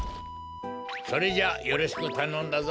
それじゃあよろしくたのんだぞ。